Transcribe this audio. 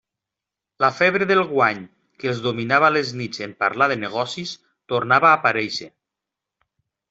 La febre del guany que els dominava a les nits en parlar de negocis tornava a aparèixer.